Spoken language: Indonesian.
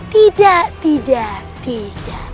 tidak tidak tidak